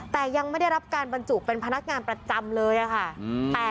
แต่ยังไม่ได้รับการบรรจุเป็นพนักงานประจำเลยค่ะ